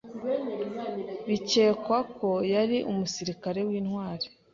Bikekwa ko yari umusirikare w'intwari.